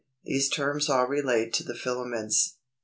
These terms all relate to the filaments.